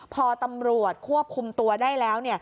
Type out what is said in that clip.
พอตำรวจควบคุมตัวได้แล้ว